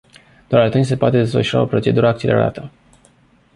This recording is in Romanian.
Doar atunci se poate desfășura o procedură accelerată.